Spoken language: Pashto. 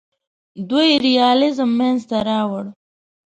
دوی ریالیزم منځ ته راوړ.